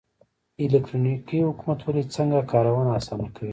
الکترونیکي حکومتولي څنګه کارونه اسانه کوي؟